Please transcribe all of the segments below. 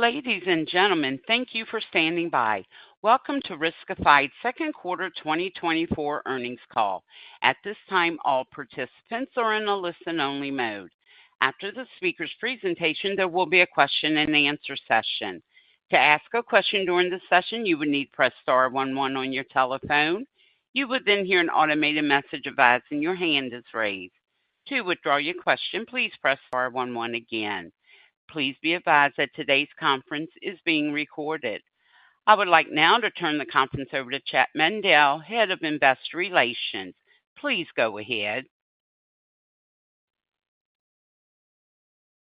Ladies and gentlemen, thank you for standing by. Welcome to Riskified's Second Quarter 2024 Earnings Call. At this time, all participants are in a listen-only mode. After the speaker's presentation, there will be a question and answer session. To ask a question during the session, you will need to press star one one on your telephone. You will then hear an automated message advising your hand is raised. To withdraw your question, please press star one one again. Please be advised that today's conference is being recorded. I would like now to turn the conference over to Chett Mandel, Head of Investor Relations. Please go ahead.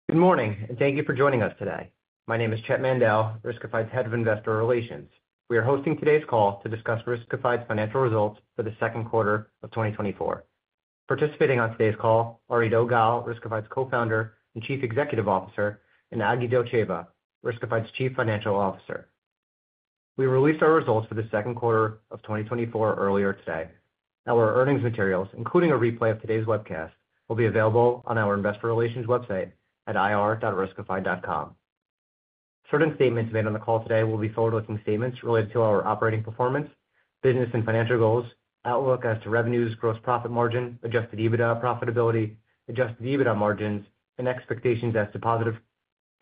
Good morning, and thank you for joining us today. My name is Chett Mandel, Riskified's Head of Investor Relations. We are hosting today's call to discuss Riskified's Financial Results for the Second Quarter of 2024. Participating on today's call, Eido Gal, Riskified's Co-founder and Chief Executive Officer, and Agi Dotcheva, Riskified's Chief Financial Officer. We released our results for the second quarter of 2024 earlier today. Now, our earnings materials, including a replay of today's webcast, will be available on our investor relations website at ir.riskified.com. Certain statements made on the call today will be forward-looking statements related to our operating performance, business and financial goals, outlook as to revenues, gross profit margin, Adjusted EBITDA profitability, Adjusted EBITDA margins, and expectations as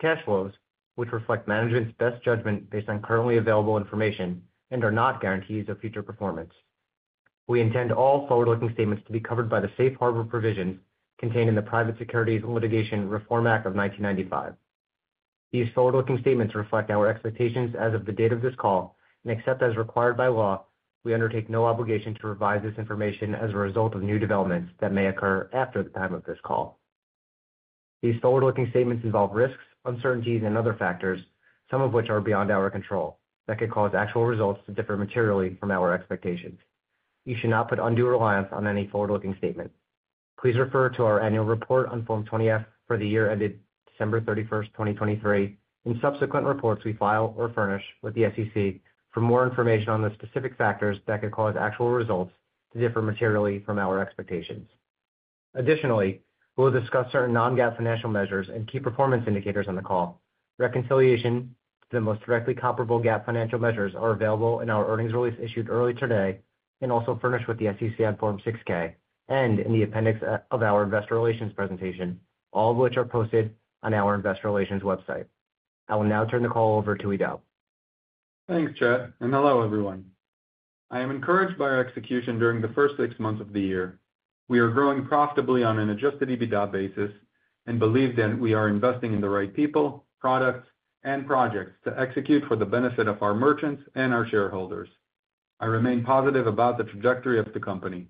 to positive cash flows, which reflect management's best judgment based on currently available information and are not guarantees of future performance. We intend all forward-looking statements to be covered by the Safe Harbor Provisions contained in the Private Securities and Litigation Reform Act of 1995. These forward-looking statements reflect our expectations as of the date of this call, and except as required by law, we undertake no obligation to revise this information as a result of new developments that may occur after the time of this call. These forward-looking statements involve risks, uncertainties, and other factors, some of which are beyond our control, that could cause actual results to differ materially from our expectations. You should not put undue reliance on any forward-looking statements. Please refer to our annual report on Form 20-F for the year ended December 31, 2023, and subsequent reports we file or furnish with the SEC for more information on the specific factors that could cause actual results to differ materially from our expectations. Additionally, we'll discuss certain non-GAAP financial measures and key performance indicators on the call. Reconciliation to the most directly comparable GAAP financial measures are available in our earnings release issued early today, and also furnished with the SEC on Form 6-K and in the appendix of our investor relations presentation, all of which are posted on our investor relations website. I will now turn the call over to Eido. Thanks, Chett, and hello, everyone. I am encouraged by our execution during the first six months of the year. We are growing profitably on an Adjusted EBITDA basis and believe that we are investing in the right people, products, and projects to execute for the benefit of our merchants and our shareholders. I remain positive about the trajectory of the company.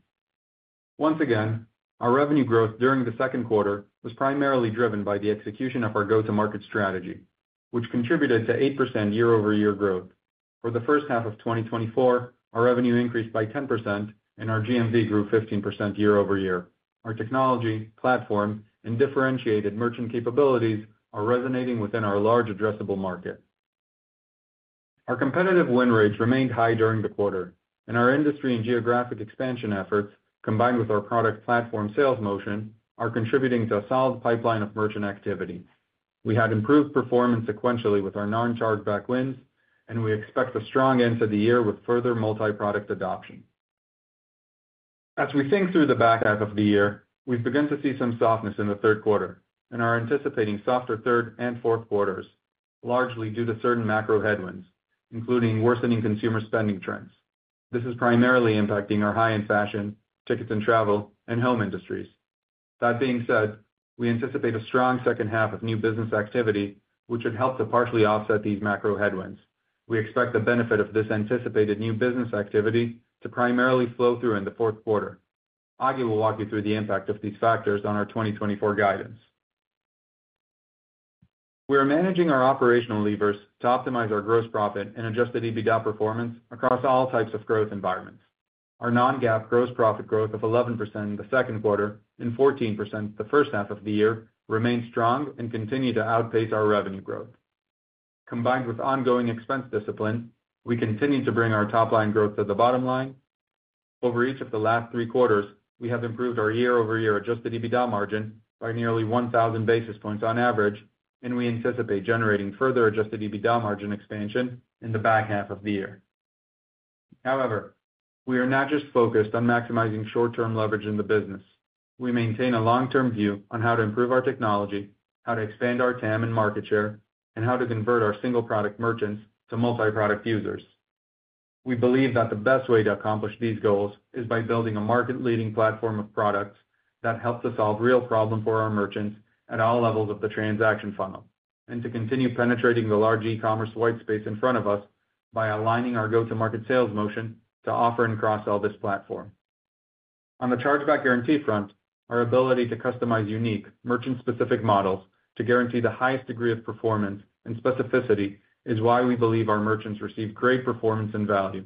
Once again, our revenue growth during the second quarter was primarily driven by the execution of our go-to-market strategy, which contributed to 8% year-over-year growth. For the first half of 2024, our revenue increased by 10% and our GMV grew 15% year-over-year. Our technology, platform, and differentiated merchant capabilities are resonating within our large addressable market. Our competitive win rates remained high during the quarter, and our industry and geographic expansion efforts, combined with our product platform sales motion, are contributing to a solid pipeline of merchant activity. We had improved performance sequentially with our non-chargeback wins, and we expect a strong end to the year with further multi-product adoption. As we think through the back half of the year, we've begun to see some softness in the third quarter and are anticipating softer third and fourth quarters, largely due to certain macro headwinds, including worsening consumer spending trends. This is primarily impacting our high-end fashion, tickets and travel, and home industries. That being said, we anticipate a strong second half of new business activity, which should help to partially offset these macro headwinds. We expect the benefit of this anticipated new business activity to primarily flow through in the fourth quarter. Agi will walk you through the impact of these factors on our 2024 guidance. We are managing our operational levers to optimize our gross profit and Adjusted EBITDA performance across all types of growth environments. Our non-GAAP gross profit growth of 11% in the second quarter and 14% the first half of the year remains strong and continue to outpace our revenue growth. Combined with ongoing expense discipline, we continue to bring our top-line growth to the bottom line. Over each of the last 3 quarters, we have improved our year-over-year Adjusted EBITDA margin by nearly 1000 basis points on average, and we anticipate generating further Adjusted EBITDA margin expansion in the back half of the year. However, we are not just focused on maximizing short-term leverage in the business. We maintain a long-term view on how to improve our technology, how to expand our TAM and market share, and how to convert our single-product merchants to multi-product users. We believe that the best way to accomplish these goals is by building a market-leading platform of products that help to solve real problems for our merchants at all levels of the transaction funnel, and to continue penetrating the large e-commerce white space in front of us by aligning our go-to-market sales motion to offer and cross-sell this platform. On the Chargeback Guarantee front, our ability to customize unique merchant-specific models to guarantee the highest degree of performance and specificity is why we believe our merchants receive great performance and value.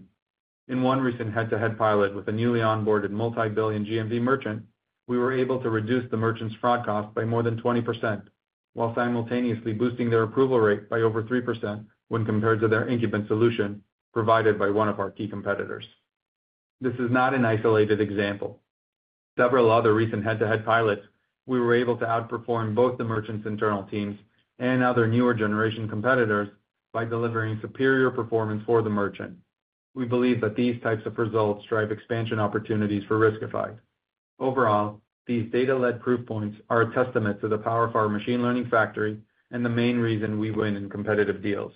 In one recent head-to-head pilot with a newly onboarded multi-billion GMV merchant, we were able to reduce the merchant's fraud cost by more than 20% while simultaneously boosting their approval rate by over 3% when compared to their incumbent solution provided by one of our key competitors. This is not an isolated example. Several other recent head-to-head pilots, we were able to outperform both the merchant's internal teams and other newer generation competitors by delivering superior performance for the merchant. We believe that these types of results drive expansion opportunities for Riskified. Overall, these data-led proof points are a testament to the power of our machine learning factory and the main reason we win in competitive deals.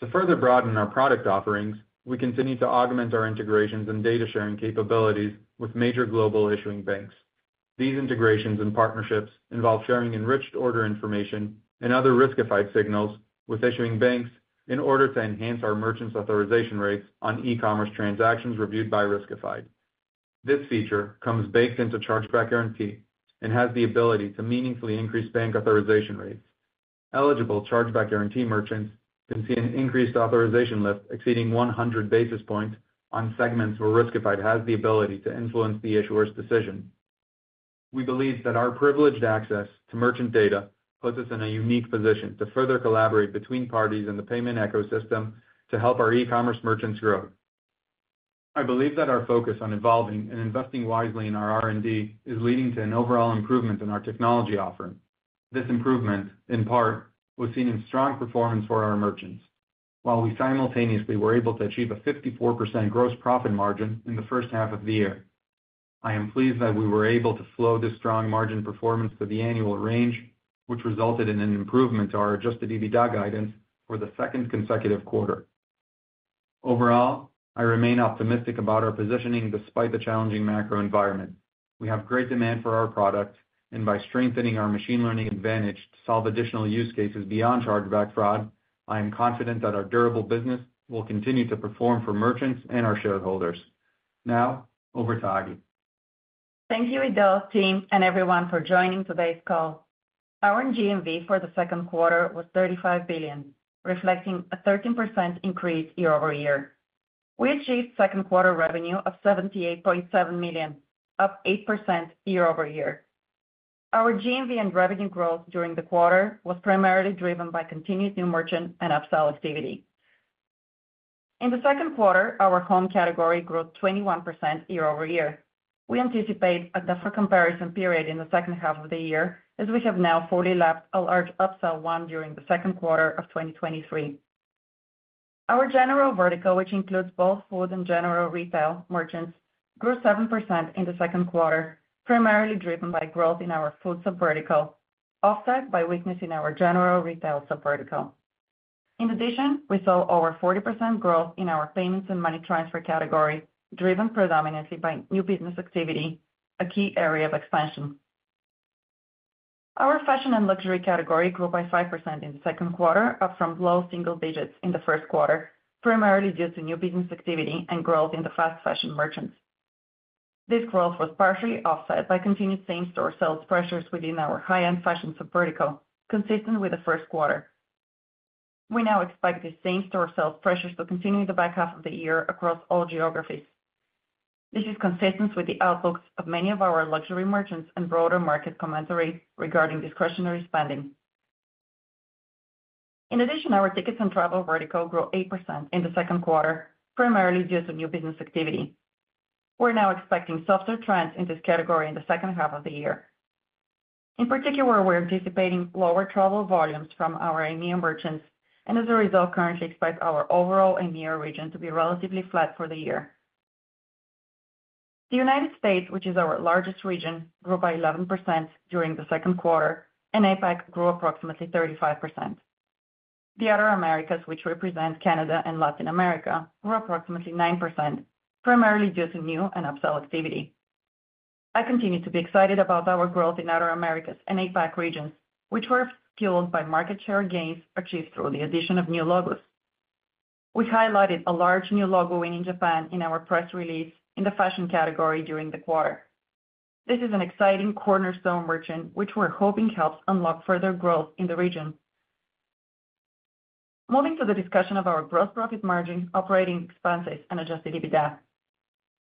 To further broaden our product offerings, we continue to augment our integrations and data sharing capabilities with major global issuing banks. These integrations and partnerships involve sharing enriched order information and other Riskified signals with issuing banks in order to enhance our merchants' authorization rates on e-commerce transactions reviewed by Riskified. This feature comes baked into Chargeback Guarantee and has the ability to meaningfully increase bank authorization rates. Eligible Chargeback Guarantee merchants can see an increased authorization lift exceeding 100 basis points on segments where Riskified has the ability to influence the issuer's decision. We believe that our privileged access to merchant data puts us in a unique position to further collaborate between parties in the payment ecosystem to help our e-commerce merchants grow. I believe that our focus on evolving and investing wisely in our R&D is leading to an overall improvement in our technology offering. This improvement, in part, was seen in strong performance for our merchants, while we simultaneously were able to achieve a 54% gross profit margin in the first half of the year. I am pleased that we were able to flow this strong margin performance to the annual range, which resulted in an improvement to our Adjusted EBITDA guidance for the second consecutive quarter. Overall, I remain optimistic about our positioning despite the challenging macro environment. We have great demand for our product, and by strengthening our machine learning advantage to solve additional use cases beyond chargeback fraud, I am confident that our durable business will continue to perform for merchants and our shareholders. Now, over to Agi. Thank you, Eido, team, and everyone for joining today's call. Our GMV for the second quarter was $35 billion, reflecting a 13% increase year-over-year. We achieved second quarter revenue of $78.7 million, up 8% year-over-year. Our GMV and revenue growth during the quarter was primarily driven by continued new merchant and upsell activity. In the second quarter, our home category grew 21% year-over-year. We anticipate a tougher comparison period in the second half of the year, as we have now fully lapped a large upsell won during the second quarter of 2023. Our general vertical, which includes both food and general retail merchants, grew 7% in the second quarter, primarily driven by growth in our food subvertical, offset by weakness in our general retail subvertical. In addition, we saw over 40% growth in our payments and money transfer category, driven predominantly by new business activity, a key area of expansion. Our fashion and luxury category grew by 5% in the second quarter, up from low single digits in the first quarter, primarily due to new business activity and growth in the fast fashion merchants. This growth was partially offset by continued same-store sales pressures within our high-end fashion subvertical, consistent with the first quarter. We now expect these same-store sales pressures to continue in the back half of the year across all geographies. This is consistent with the outlooks of many of our luxury merchants and broader market commentary regarding discretionary spending. In addition, our tickets and travel vertical grew 8% in the second quarter, primarily due to new business activity. We're now expecting softer trends in this category in the second half of the year. In particular, we're anticipating lower travel volumes from our EMEA merchants, and as a result, currently expect our overall EMEA region to be relatively flat for the year. The United States, which is our largest region, grew by 11% during the second quarter, and APAC grew approximately 35%. The other Americas, which represent Canada and Latin America, grew approximately 9%, primarily due to new and upsell activity. I continue to be excited about our growth in other Americas and APAC regions, which were fueled by market share gains achieved through the addition of new logos. We highlighted a large new logo win in Japan in our press release in the fashion category during the quarter. This is an exciting cornerstone merchant, which we're hoping helps unlock further growth in the region. Moving to the discussion of our gross profit margin, operating expenses, and Adjusted EBITDA.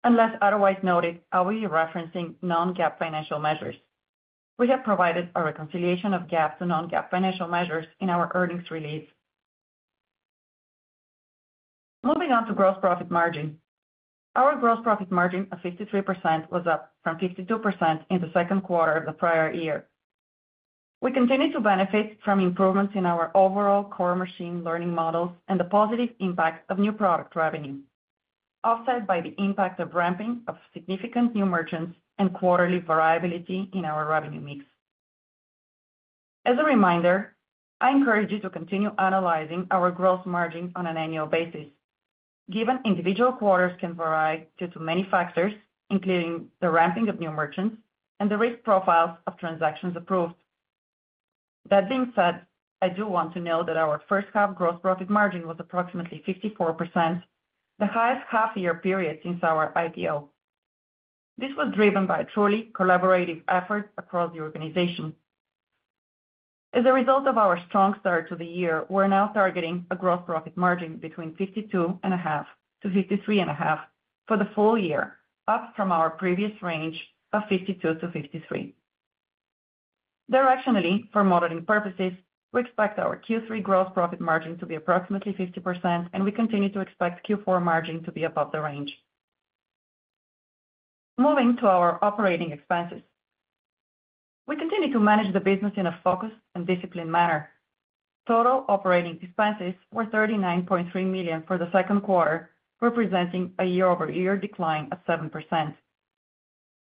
Unless otherwise noted, I will be referencing non-GAAP financial measures. We have provided a reconciliation of GAAP to non-GAAP financial measures in our earnings release. Moving on to gross profit margin. Our gross profit margin of 53% was up from 52% in the second quarter of the prior year. We continue to benefit from improvements in our overall core machine learning models and the positive impact of new product revenue, offset by the impact of ramping of significant new merchants and quarterly variability in our revenue mix. As a reminder, I encourage you to continue analyzing our gross margin on an annual basis, given individual quarters can vary due to many factors, including the ramping of new merchants and the risk profiles of transactions approved. That being said, I do want to note that our first half gross profit margin was approximately 54%, the highest half-year period since our IPO. This was driven by a truly collaborative effort across the organization. As a result of our strong start to the year, we're now targeting a gross profit margin between 52.5% and 53.5% for the full year, up from our previous range of 52%-53%. Directionally, for modeling purposes, we expect our Q3 gross profit margin to be approximately 50%, and we continue to expect Q4 margin to be above the range. Moving to our operating expenses. We continue to manage the business in a focused and disciplined manner. Total operating expenses were $39.3 million for the second quarter, representing a year-over-year decline of 7%.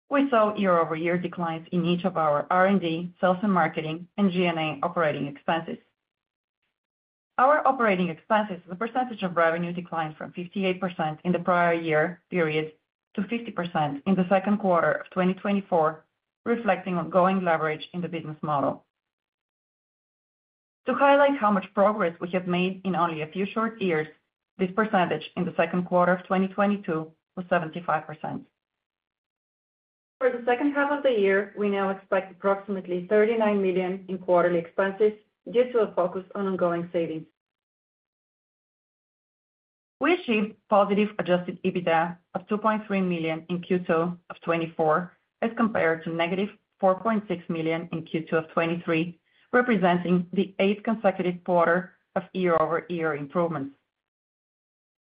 We saw year-over-year declines in each of our R&D, sales and marketing, and G&A operating expenses. Our operating expenses, the percentage of revenue declined from 58% in the prior year period to 50% in the second quarter of 2024, reflecting ongoing leverage in the business model. To highlight how much progress we have made in only a few short years, this percentage in the second quarter of 2022 was 75%. For the second half of the year, we now expect approximately $39 million in quarterly expenses due to a focus on ongoing savings. We achieved positive Adjusted EBITDA of $2.3 million in Q2 of 2024, as compared to negative $4.6 million in Q2 of 2023, representing the eighth consecutive quarter of year-over-year improvements.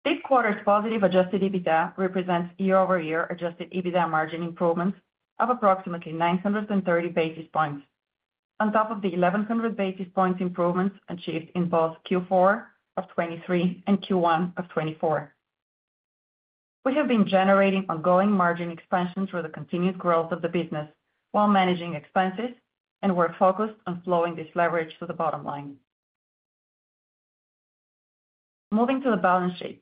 This quarter's positive Adjusted EBITDA represents year-over-year Adjusted EBITDA margin improvements of approximately 930 basis points, on top of the 1,100 basis points improvements achieved in both Q4 of 2023 and Q1 of 2024. We have been generating ongoing margin expansion through the continued growth of the business while managing expenses, and we're focused on flowing this leverage to the bottom line. Moving to the balance sheet.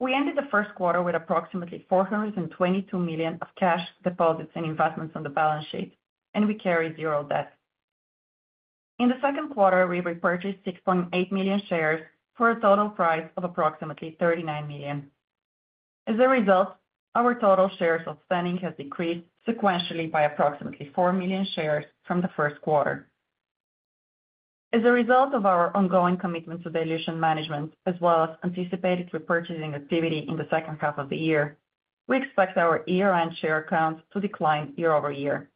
We ended the first quarter with approximately $422 million of cash deposits and investments on the balance sheet, and we carry 0 debt. In the second quarter, we repurchased 6.8 million shares for a total price of approximately $39 million. As a result, our total shares outstanding has decreased sequentially by approximately 4 million shares from the first quarter. As a result of our ongoing commitment to dilution management, as well as anticipated repurchasing activity in the second half of the year, we expect our year-end share count to decline year-over-year.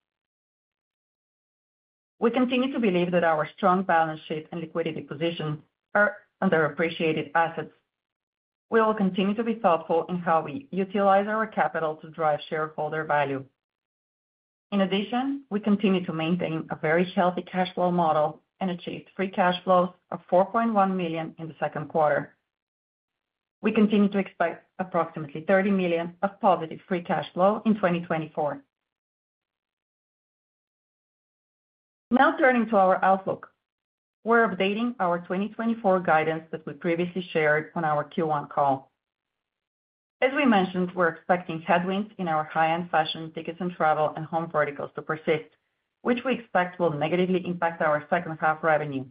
We continue to believe that our strong balance sheet and liquidity position are underappreciated assets. We will continue to be thoughtful in how we utilize our capital to drive shareholder value. In addition, we continue to maintain a very healthy cash flow model and achieved free cash flow of $4.1 million in the second quarter. We continue to expect approximately $30 million of positive free cash flow in 2024. Now, turning to our outlook. We're updating our 2024 guidance that we previously shared on our Q1 call. As we mentioned, we're expecting headwinds in our high-end fashion, tickets and travel, and home verticals to persist, which we expect will negatively impact our second half revenue.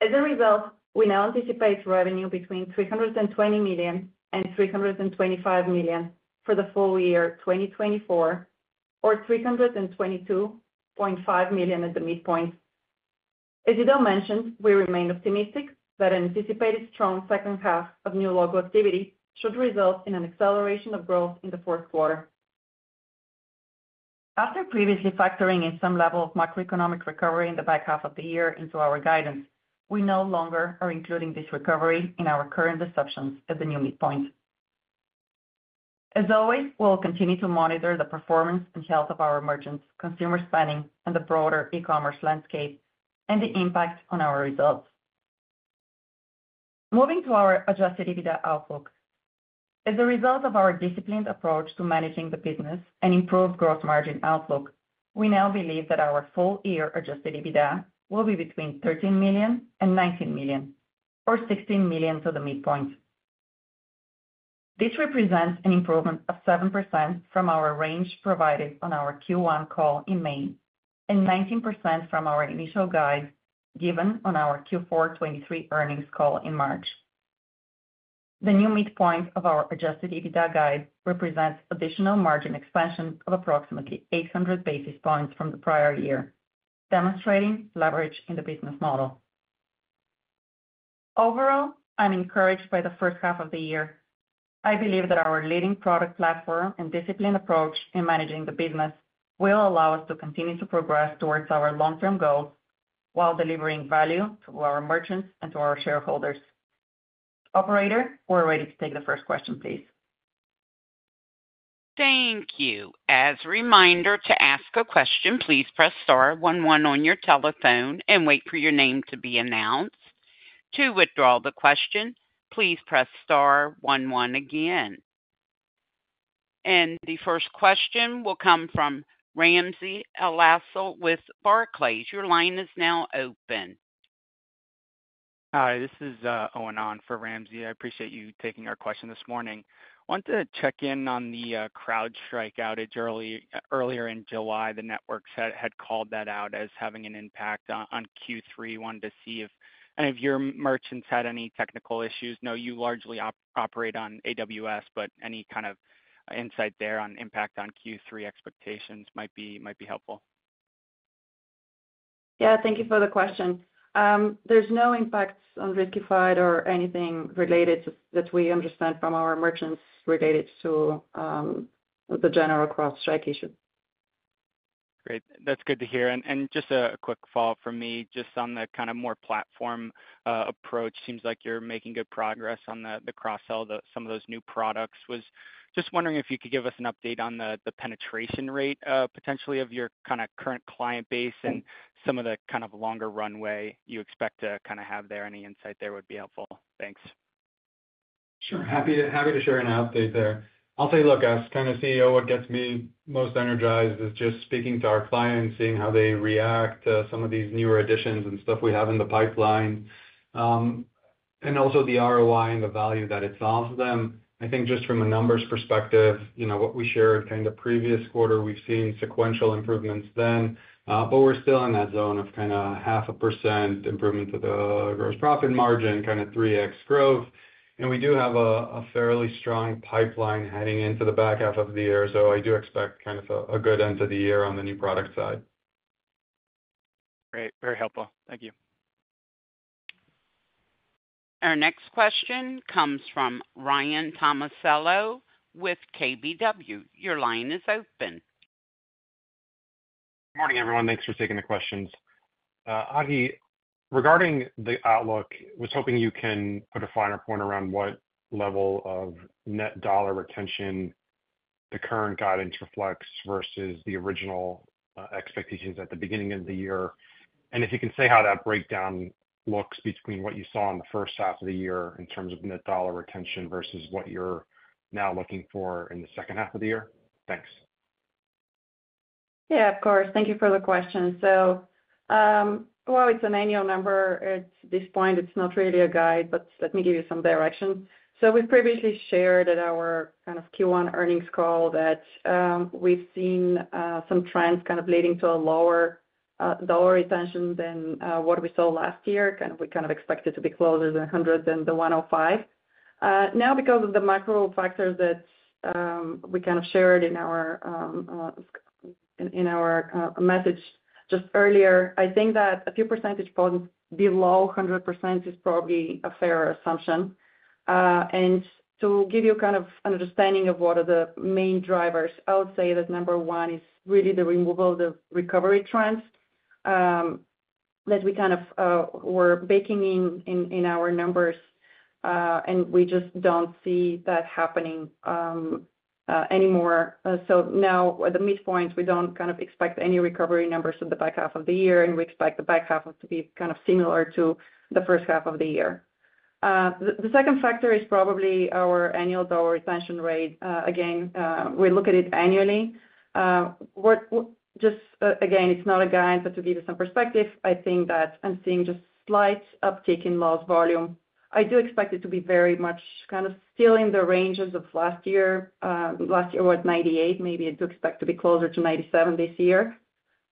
As a result, we now anticipate revenue between $320 million and $325 million for the full year 2024, or $322.5 million at the midpoint. As Eido mentioned, we remain optimistic that anticipated strong second half of new logo activity should result in an acceleration of growth in the fourth quarter. After previously factoring in some level of macroeconomic recovery in the back half of the year into our guidance, we no longer are including this recovery in our current assumptions at the new midpoint. As always, we'll continue to monitor the performance and health of our merchants, consumer spending, and the broader e-commerce landscape, and the impact on our results. Moving to our Adjusted EBITDA outlook. As a result of our disciplined approach to managing the business and improved gross margin outlook, we now believe that our full-year Adjusted EBITDA will be between $13 million and $19 million, or $16 million to the midpoint. This represents an improvement of 7% from our range provided on our Q1 call in May, and 19% from our initial guide given on our Q4 2023 earnings call in March. The new midpoint of our Adjusted EBITDA guide represents additional margin expansion of approximately 800 basis points from the prior year, demonstrating leverage in the business model. Overall, I'm encouraged by the first half of the year. I believe that our leading product platform and disciplined approach in managing the business will allow us to continue to progress towards our long-term goals, while delivering value to our merchants and to our shareholders. Operator, we're ready to take the first question, please. Thank you. As a reminder, to ask a question, please press star one one on your telephone and wait for your name to be announced. To withdraw the question, please press star one one again. And the first question will come from Ramsey El-Assal with Barclays. Your line is now open. Hi, this is Owen on for Ramsey. I appreciate you taking our question this morning. Wanted to check in on the CrowdStrike outage earlier in July. The networks had called that out as having an impact on Q3. Wanted to see if any of your merchants had any technical issues. Know you largely operate on AWS, but any kind of insight there on impact on Q3 expectations might be helpful. Yeah, thank you for the question. There's no impacts on Riskified or anything related to, that we understand from our merchants related to, the general CrowdStrike issue. Great. That's good to hear. And just a quick follow-up from me, just on the kind of more platform approach. Seems like you're making good progress on the cross-sell, some of those new products. Was just wondering if you could give us an update on the penetration rate, potentially of your kind of current client base and some of the kind of longer runway you expect to kind of have there. Any insight there would be helpful. Thanks. Sure. Happy to, happy to share an update there. I'll say, look, as kind of CEO, what gets me most energized is just speaking to our clients, seeing how they react to some of these newer additions and stuff we have in the pipeline. And also the ROI and the value that it solves them. I think just from a numbers perspective, you know, what we shared kind of previous quarter, we've seen sequential improvements then. But we're still in that zone of kind of 0.5% improvement to the gross profit margin, kind of 3x growth. And we do have a, a fairly strong pipeline heading into the back half of the year. So I do expect kind of a, a good end to the year on the new product side. Great. Very helpful. Thank you. Our next question comes from Ryan Tomasello with KBW. Your line is open. Good morning, everyone. Thanks for taking the questions. Agi, regarding the outlook, I was hoping you can put a finer point around what level of net dollar retention the current guidance reflects versus the original expectations at the beginning of the year. And if you can say how that breakdown looks between what you saw in the first half of the year in terms of net dollar retention versus what you're now looking for in the second half of the year? Thanks. Yeah, of course. Thank you for the question. So, well, it's an annual number. At this point, it's not really a guide, but let me give you some direction. So we've previously shared at our kind of Q1 earnings call that, we've seen some trends kind of leading to a lower dollar retention than what we saw last year. Kind of, we kind of expect it to be closer to 100 than the 105. Now, because of the macro factors that we kind of shared in our message just earlier, I think that a few percentage points below 100% is probably a fair assumption. And to give you kind of an understanding of what are the main drivers, I would say that number one is really the removal of the recovery trends, that we kind of were baking in our numbers, and we just don't see that happening anymore. So now at the midpoint, we don't kind of expect any recovery numbers for the back half of the year, and we expect the back half to be kind of similar to the first half of the year. The second factor is probably our annual dollar retention rate. Again, we look at it annually. Just again, it's not a guide, but to give you some perspective, I think that I'm seeing just slight uptick in lost volume. I do expect it to be very much kind of still in the ranges of last year. Last year was 98. Maybe I do expect to be closer to 97 this year.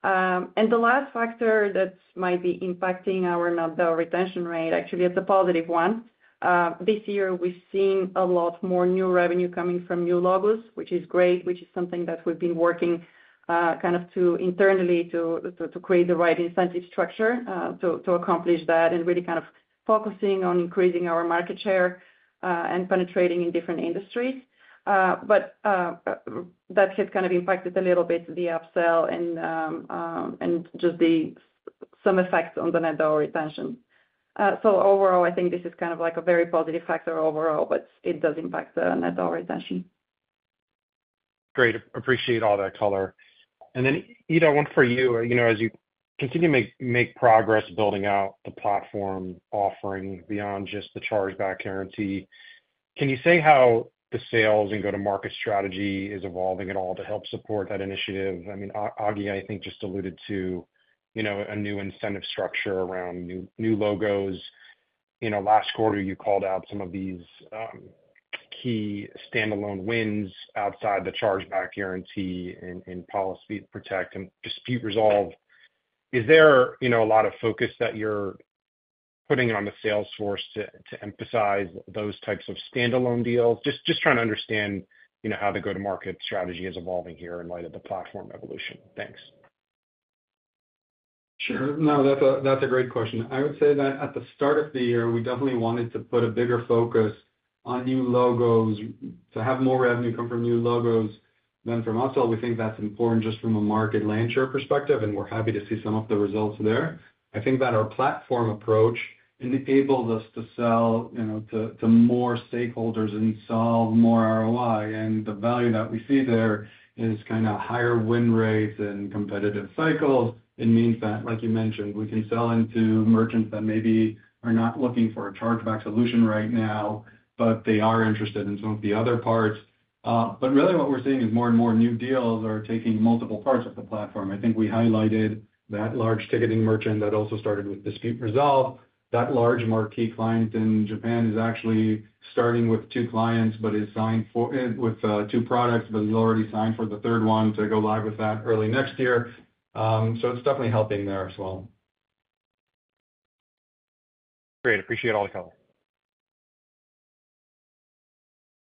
And the last factor that might be impacting our net dollar retention rate actually is a positive one. This year we've seen a lot more new revenue coming from new logos, which is great, which is something that we've been working kind of to internally to create the right incentive structure to accomplish that, and really kind of focusing on increasing our market share and penetrating in different industries. But that has kind of impacted a little bit to the upsell and and just some effects on the net dollar retention. So overall, I think this is kind of like a very positive factor overall, but it does impact the Net Dollar Retention. Great. Appreciate all that color. And then, Eido, one for you. You know, as you continue to make progress building out the platform offering beyond just the Chargeback Guarantee, can you say how the sales and go-to-market strategy is evolving at all to help support that initiative? I mean, Agi, I think, just alluded to, you know, a new incentive structure around new logos. You know, last quarter, you called out some of these key standalone wins outside the Chargeback Guarantee and Policy Protect and Dispute Resolve. Is there, you know, a lot of focus that you're putting on the sales force to emphasize those types of standalone deals? Just trying to understand, you know, how the go-to-market strategy is evolving here in light of the platform evolution. Thanks. Sure. No, that's a great question. I would say that at the start of the year, we definitely wanted to put a bigger focus on new logos, to have more revenue come from new logos than from upsell. We think that's important just from a market share perspective, and we're happy to see some of the results there. I think that our platform approach enables us to sell, you know, to more stakeholders and solve more ROI. And the value that we see there is kind of higher win rates and competitive cycles. It means that, like you mentioned, we can sell into merchants that maybe are not looking for a chargeback solution right now, but they are interested in some of the other parts. But really what we're seeing is more and more new deals are taking multiple parts of the platform. I think we highlighted that large ticketing merchant that also started with Dispute Resolve. That large marquee client in Japan is actually starting with two clients, but is signed for two products, but is already signed for the third one to go live with that early next year. So it's definitely helping there as well. Great. Appreciate all the color.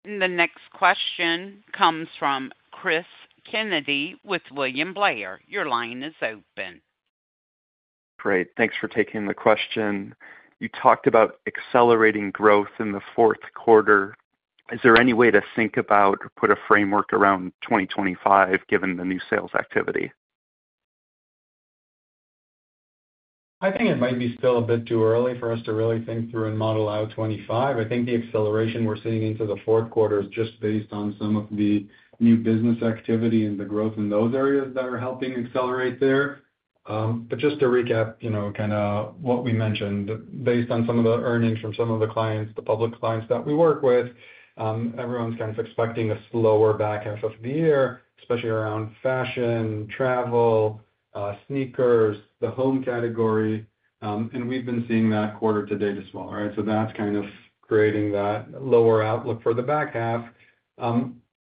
And the next question comes from Chris Kennedy with William Blair. Your line is open. Great. Thanks for taking the question. You talked about accelerating growth in the fourth quarter. Is there any way to think about or put a framework around 2025, given the new sales activity? I think it might be still a bit too early for us to really think through and model out 25. I think the acceleration we're seeing into the fourth quarter is just based on some of the new business activity and the growth in those areas that are helping accelerate there. But just to recap, you know, kind of what we mentioned, based on some of the earnings from some of the clients, the public clients that we work with, everyone's kind of expecting a slower back half of the year, especially around fashion, travel, sneakers, the home category, and we've been seeing that quarter to date as well, right? So that's kind of creating that lower outlook for the back half.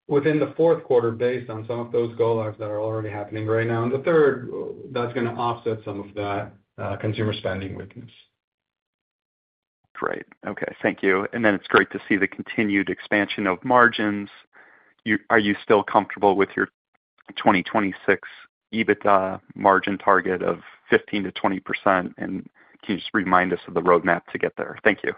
Within the fourth quarter, based on some of those go-lives that are already happening right now in the third, that's going to offset some of that, consumer spending weakness. Great. Okay, thank you. It's great to see the continued expansion of margins. You-- are you still comfortable with your 2026 EBITDA margin target of 15%-20%? And can you just remind us of the roadmap to get there? Thank you.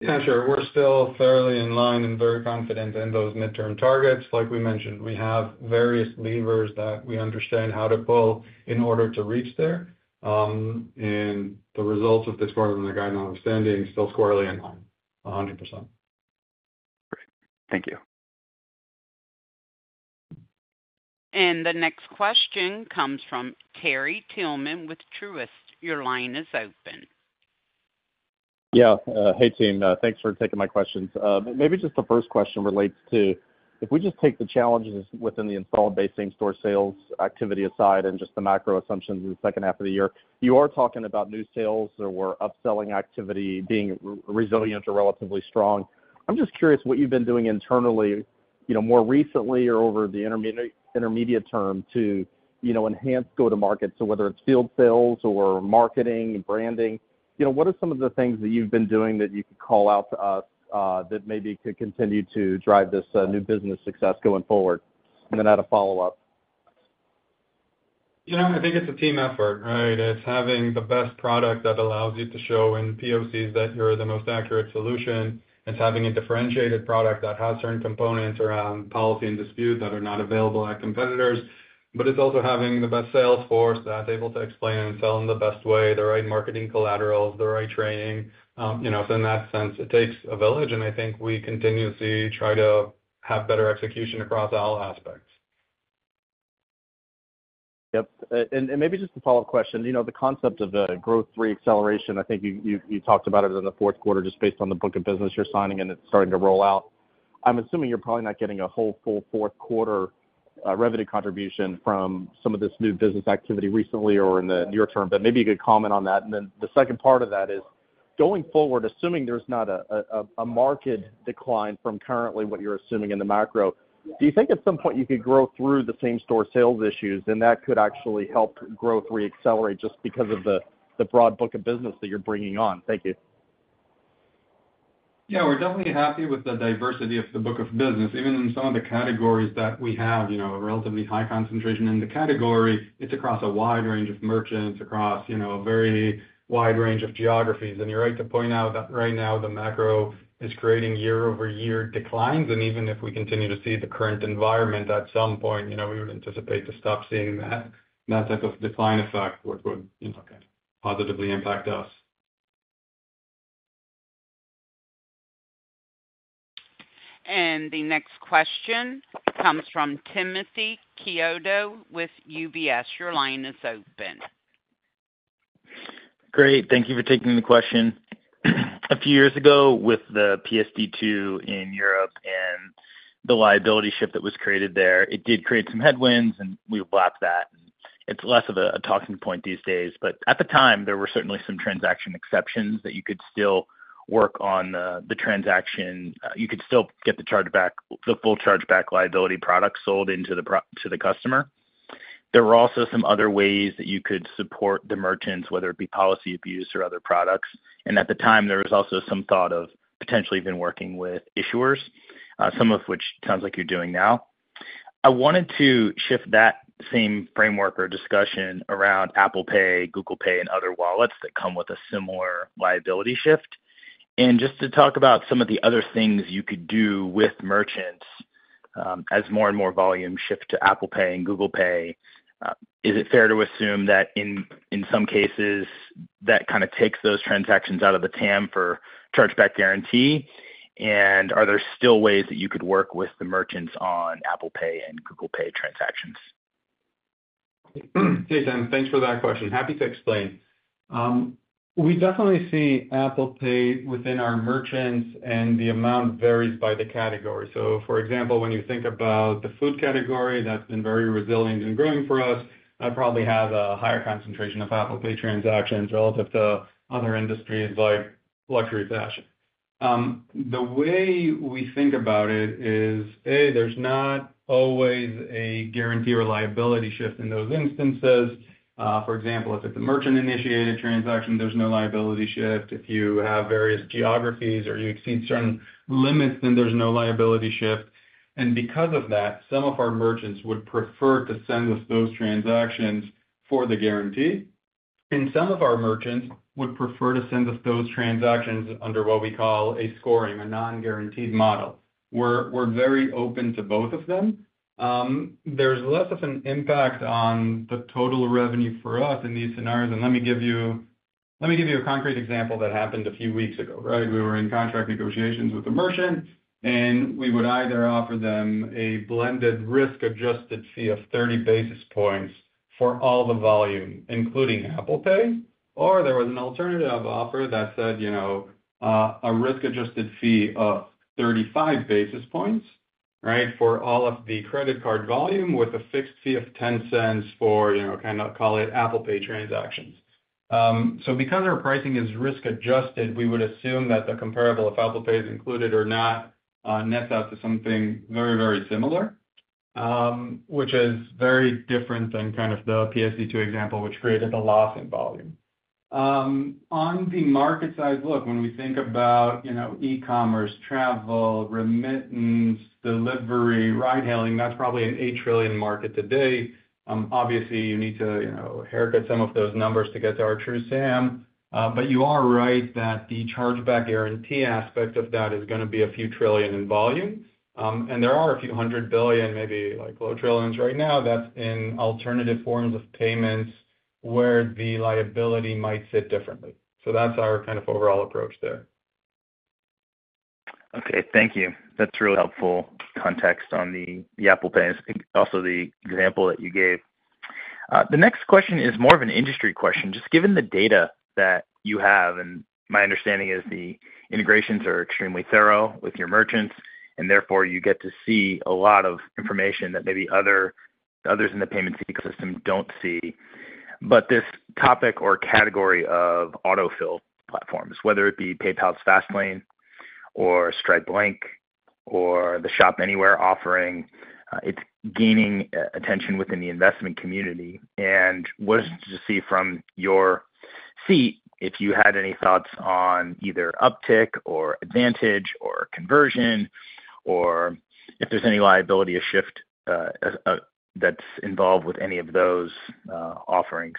Yeah, sure. We're still fairly in line and very confident in those midterm targets. Like we mentioned, we have various levers that we understand how to pull in order to reach there. And the results of this quarter and the guidance understanding is still squarely in line, 100%. Great. Thank you. The next question comes from Terry Tillman with Truist. Your line is open. Yeah, hey, team. Thanks for taking my questions. Maybe just the first question relates to, if we just take the challenges within the installed base, same-store sales activity aside, and just the macro assumptions in the second half of the year, you are talking about new sales or where upselling activity being resilient or relatively strong. I'm just curious what you've been doing internally, you know, more recently or over the intermediate term to, you know, enhance go-to-market. So whether it's field sales or marketing and branding, you know, what are some of the things that you've been doing that you could call out to us, that maybe could continue to drive this, new business success going forward? And then I had a follow-up. You know, I think it's a team effort, right? It's having the best product that allows you to show in POCs that you're the most accurate solution. It's having a differentiated product that has certain components around policy and dispute that are not available at competitors. But it's also having the best sales force that's able to explain and sell in the best way, the right marketing collaterals, the right training. You know, so in that sense, it takes a village, and I think we continuously try to have better execution across all aspects. Yep. And maybe just a follow-up question. You know, the concept of a growth re-acceleration, I think you talked about it in the fourth quarter, just based on the book of business you're signing, and it's starting to roll out. I'm assuming you're probably not getting a whole full fourth quarter revenue contribution from some of this new business activity recently or in the near term, but maybe you could comment on that. And then the second part of that is, going forward, assuming there's not a market decline from currently what you're assuming in the macro, do you think at some point you could grow through the same-store sales issues and that could actually help growth re-accelerate just because of the broad book of business that you're bringing on? Thank you. Yeah, we're definitely happy with the diversity of the book of business. Even in some of the categories that we have, you know, a relatively high concentration in the category, it's across a wide range of merchants, across, you know, a very wide range of geographies. And you're right to point out that right now, the macro is creating year-over-year declines, and even if we continue to see the current environment, at some point, you know, we would anticipate to stop seeing that type of decline effect would, you know, positively impact us. The next question comes from Timothy Chiodo with UBS. Your line is open. Great. Thank you for taking the question. A few years ago, with the PSD2 in Europe and the liability shift that was created there, it did create some headwinds, and we blocked that. It's less of a talking point these days, but at the time, there were certainly some transaction exceptions that you could still work on the transaction. You could still get the chargeback, the full chargeback liability product sold into the pro- to the customer. There were also some other ways that you could support the merchants, whether it be policy abuse or other products. And at the time, there was also some thought of potentially even working with issuers, some of which sounds like you're doing now. I wanted to shift that same framework or discussion around Apple Pay, Google Pay, and other wallets that come with a similar liability shift. Just to talk about some of the other things you could do with merchants, as more and more volume shift to Apple Pay and Google Pay, is it fair to assume that in some cases, that kind of takes those transactions out of the TAM for Chargeback Guarantee? And are there still ways that you could work with the merchants on Apple Pay and Google Pay transactions? Hey, Tim. Thanks for that question. Happy to explain. We definitely see Apple Pay within our merchants, and the amount varies by the category. So for example, when you think about the food category, that's been very resilient and growing for us. I probably have a higher concentration of Apple Pay transactions relative to other industries like luxury fashion. The way we think about it is, A, there's not always a guarantee or liability shift in those instances. For example, if it's a merchant-initiated transaction, there's no liability shift. If you have various geographies or you exceed certain limits, then there's no liability shift. And because of that, some of our merchants would prefer to send us those transactions for the guarantee, and some of our merchants would prefer to send us those transactions under what we call a scoring, a non-guaranteed model. We're very open to both of them. There's less of an impact on the total revenue for us in these scenarios, and let me give you a concrete example that happened a few weeks ago, right? We were in contract negotiations with the merchant, and we would either offer them a blended risk-adjusted fee of 30 basis points for all the volume, including Apple Pay, or there was an alternative offer that said, you know, a risk-adjusted fee of 35 basis points, right, for all of the credit card volume with a fixed fee of $0.10 for, you know, kind of, call it, Apple Pay transactions. Because our pricing is risk-adjusted, we would assume that the comparable, if Apple Pay is included or not, nets out to something very, very similar, which is very different than kind of the PSD2 example, which created a loss in volume. On the market size look, when we think about, you know, e-commerce, travel, remittance, delivery, ride-hailing, that's probably an $8 trillion market today. Obviously, you need to, you know, haircut some of those numbers to get to our true SAM. But you are right that the Chargeback Guarantee aspect of that is gonna be $ a few trillion in volume. And there are $ a few hundred billion, maybe like low $ trillions right now, that's in alternative forms of payments where the liability might sit differently. So that's our kind of overall approach there. Okay, thank you. That's really helpful context on the Apple Pay, and also the example that you gave. The next question is more of an industry question. Just given the data that you have, and my understanding is the integrations are extremely thorough with your merchants, and therefore, you get to see a lot of information that maybe others in the payment ecosystem don't see. But this topic or category of autofill platforms, whether it be PayPal's Fastlane or Stripe Link or the Shop Anywhere offering, it's gaining attention within the investment community. And what did you see from your seat, if you had any thoughts on either uptick or advantage or conversion, or if there's any liability of shift that's involved with any of those offerings?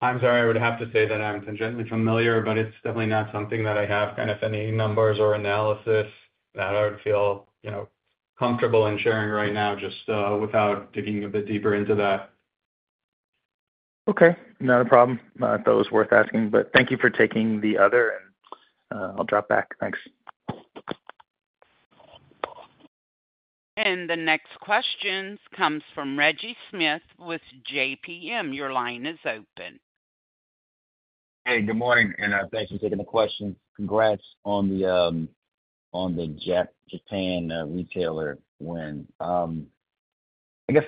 I'm sorry, I would have to say that I'm generally familiar, but it's definitely not something that I have kind of any numbers or analysis that I would feel, you know, comfortable in sharing right now, just without digging a bit deeper into that. Okay, not a problem. I thought it was worth asking, but thank you for taking the other, and, I'll drop back. Thanks. The next question comes from Reggie Smith with JPM. Your line is open. Hey, good morning, and thanks for taking the question. Congrats on the Japan retailer win. I guess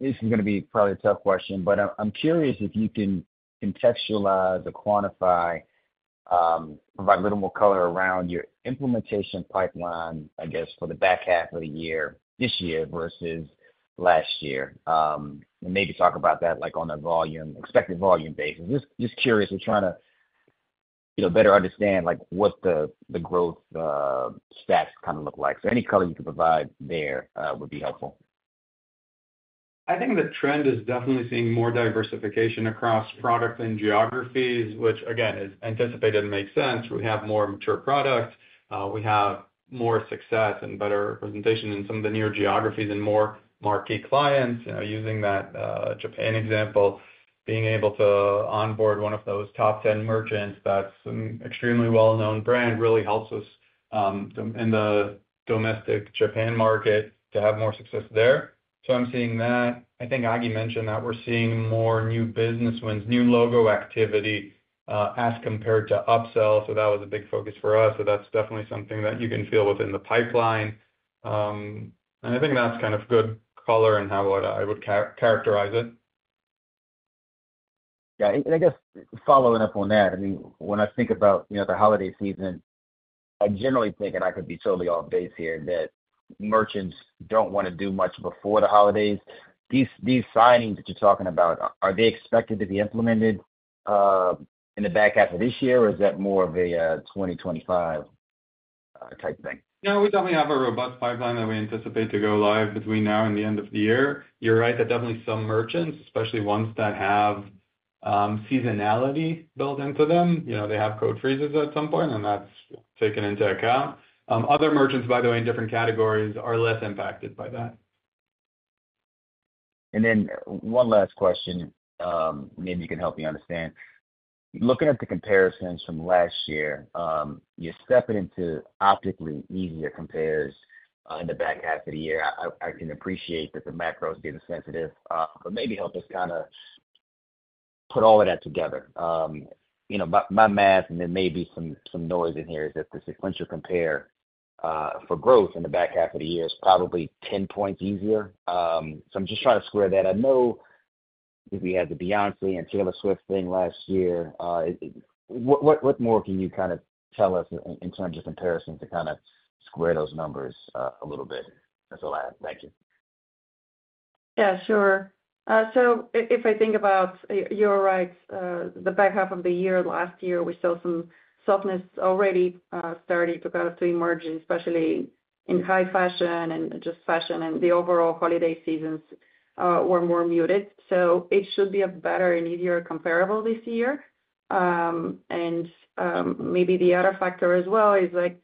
this is gonna be probably a tough question, but I'm curious if you can contextualize or quantify, provide a little more color around your implementation pipeline, I guess, for the back half of the year, this year versus last year. And maybe talk about that, like, on a volume, expected volume basis. Just curious and trying to, you know, better understand, like, what the growth stats kind of look like. So any color you can provide there would be helpful. I think the trend is definitely seeing more diversification across products and geographies, which again, is anticipated and makes sense. We have more mature products, we have more success and better representation in some of the newer geographies and more marquee clients. You know, using that, Japan example, being able to onboard one of those top ten merchants, that's an extremely well-known brand, really helps us, in the domestic Japan market to have more success there. So I'm seeing that. I think Agi mentioned that we're seeing more new business wins, new logo activity, as compared to upsell, so that was a big focus for us. So that's definitely something that you can feel within the pipeline. And I think that's kind of good color and how I would characterize it. Yeah, and I guess following up on that, I mean, when I think about, you know, the holiday season, I generally think, and I could be totally off base here, that merchants don't want to do much before the holidays. These, these signings that you're talking about, are they expected to be implemented in the back half of this year, or is that more of a 2025 type of thing? No, we definitely have a robust pipeline that we anticipate to go live between now and the end of the year. You're right that definitely some merchants, especially ones that have seasonality built into them, you know, they have code freezes at some point, and that's taken into account. Other merchants, by the way, in different categories, are less impacted by that. And then one last question, maybe you can help me understand. Looking at the comparisons from last year, you're stepping into optically easier compares, in the back half of the year. I can appreciate that the macro is data sensitive, but maybe help us kind of put all of that together. You know, my math, and there may be some noise in here, is that the sequential compare for growth in the back half of the year is probably 10 points easier. So I'm just trying to square that. I know we had the Beyoncé and Taylor Swift thing last year. What more can you kind of tell us in terms of comparison to kind of square those numbers a little bit? That's all I have. Thank you. Yeah, sure. So if I think about, you're right, the back half of the year, last year, we saw some softness already, starting to kind of to emerge, especially in high fashion and just fashion, and the overall holiday seasons were more muted. So it should be a better and easier comparable this year. And maybe the other factor as well is like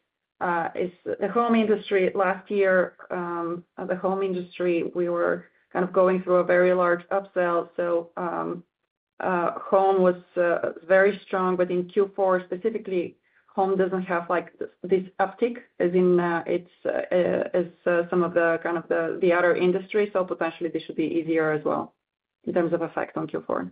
is the home industry. Last year, the home industry, we were kind of going through a very large upsell, so home was very strong, but in Q4, specifically, home doesn't have, like, this uptick as in it's as some of the kind of the, the other industries. So potentially, this should be easier as well in terms of effect on Q4.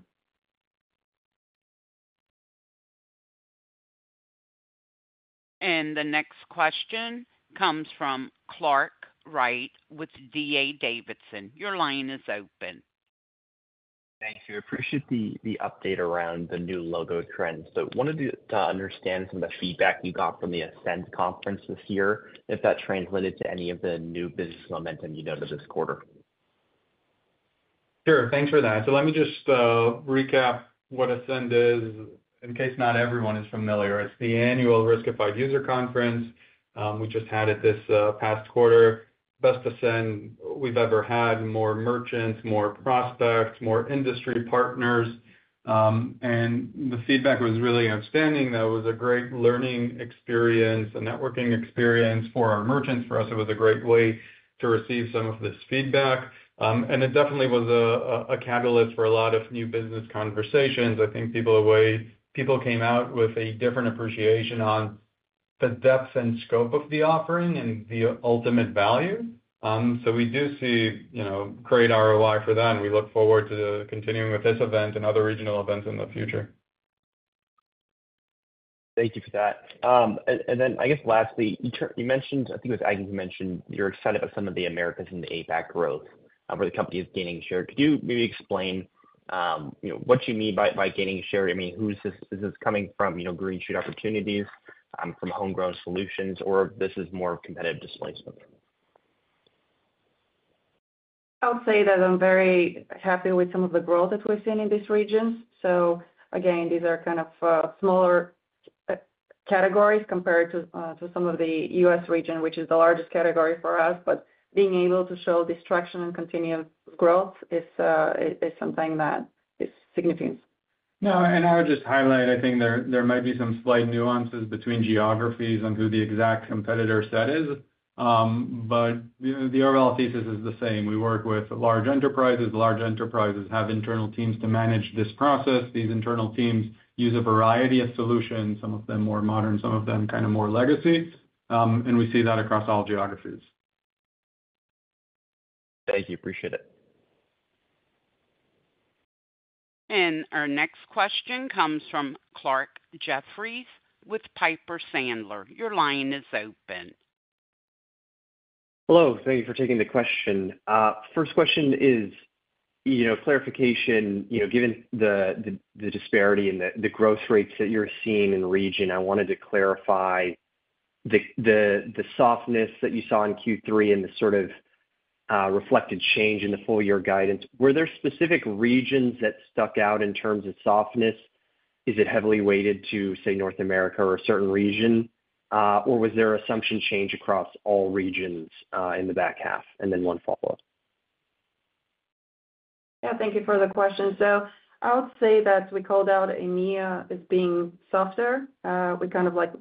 And the next question comes from Clark Wright with D.A. Davidson. Your line is open. Thank you. Appreciate the update around the new logo trends. So wanted to understand some of the feedback you got from the Ascend conference this year, if that translated to any of the new business momentum you've done to this quarter. Sure. Thanks for that. So let me just recap what Ascend is, in case not everyone is familiar. It's the annual Riskified user conference, we just had it this past quarter. Best Ascend we've ever had, more merchants, more prospects, more industry partners. And the feedback was really outstanding, that it was a great learning experience, a networking experience for our merchants. For us, it was a great way to receive some of this feedback. And it definitely was a catalyst for a lot of new business conversations. I think people came out with a different appreciation on the depth and scope of the offering and the ultimate value. So we do see, you know, great ROI for them, we look forward to continuing with this event and other regional events in the future. Thank you for that. And then I guess lastly, you mentioned, I think it was Agi who mentioned you're excited about some of the Americas and the APAC growth, where the company is gaining share. Could you maybe explain, you know, what you mean by gaining share? I mean, who is this, is this coming from, you know, greenfield opportunities, from homegrown solutions, or this is more competitive displacement? I'll say that I'm very happy with some of the growth that we've seen in this region. So again, these are kind of smaller categories compared to some of the U.S. region, which is the largest category for us. But being able to show this traction and continued growth is something that is significant. No, and I would just highlight, I think there might be some slight nuances between geographies on who the exact competitor set is. But, you know, the overall thesis is the same. We work with large enterprises. Large enterprises have internal teams to manage this process. These internal teams use a variety of solutions, some of them more modern, some of them kind of more legacy, and we see that across all geographies. Thank you. Appreciate it. Our next question comes from Clarke Jeffries with Piper Sandler. Your line is open. Hello, thank you for taking the question. First question is, you know, clarification, you know, given the disparity in the growth rates that you're seeing in the region, I wanted to clarify the softness that you saw in Q3 and the sort of reflected change in the full year guidance. Were there specific regions that stuck out in terms of softness? Is it heavily weighted to, say, North America or a certain region? Or was there assumption change across all regions, in the back half? And then one follow-up. Yeah, thank you for the question. So I would say that we called out EMEA as being softer. We kind of like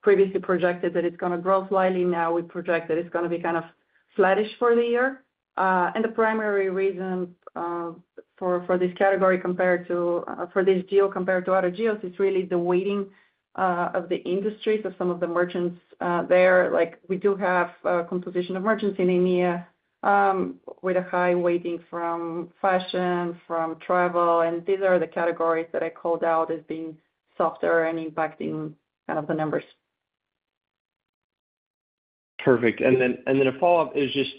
previously projected that it's gonna grow slightly, now we project that it's gonna be kind of flattish for the year. And the primary reason for this category compared to for this geo compared to other geos is really the weighting of the industries of some of the merchants there. Like, we do have a composition of merchants in EMEA with a high weighting from fashion, from travel, and these are the categories that I called out as being softer and impacting kind of the numbers. Perfect. And then a follow-up is just,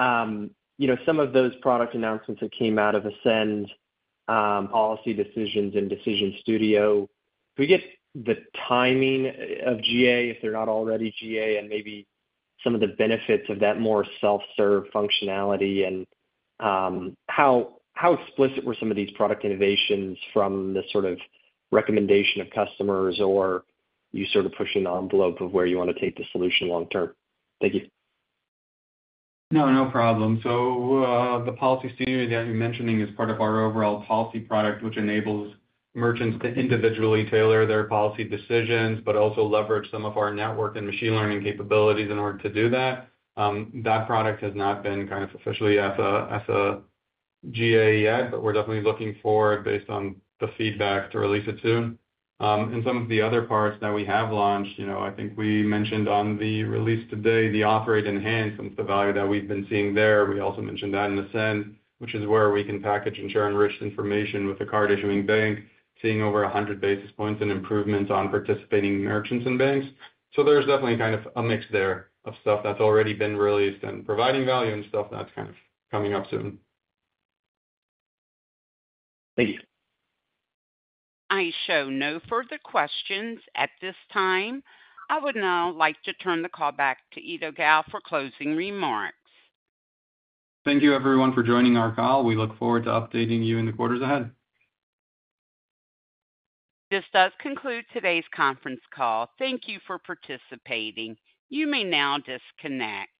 you know, some of those product announcements that came out of Ascend, policy decisions and Decision Studio. Could we get the timing of GA, if they're not already GA, and maybe some of the benefits of that more self-serve functionality, and how explicit were some of these product innovations from the sort of recommendation of customers or you sort of pushing the envelope of where you want to take the solution long term? Thank you. No, no problem. So, the policy studio that you're mentioning is part of our overall policy product, which enables merchants to individually tailor their policy decisions, but also leverage some of our network and machine learning capabilities in order to do that. That product has not been kind of officially as a GA yet, but we're definitely looking forward, based on the feedback, to release it soon. And some of the other parts that we have launched, you know, I think we mentioned on the release today, the operate enhancements, the value that we've been seeing there. We also mentioned that in Ascend, which is where we can package ensure enriched information with the card-issuing bank, seeing over 100 basis points and improvements on participating merchants and banks. There's definitely kind of a mix there of stuff that's already been released and providing value and stuff that's kind of coming up soon. Thank you. I show no further questions at this time. I would now like to turn the call back to Eido Gal for closing remarks. Thank you, everyone, for joining our call. We look forward to updating you in the quarters ahead. This does conclude today's conference call. Thank you for participating. You may now disconnect.